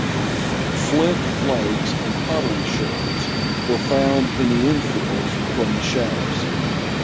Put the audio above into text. Flint flakes and pottery sherds were found in the infills from the shafts.